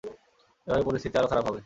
এভাবে পরিস্থিতি আরো খারাপ হবে।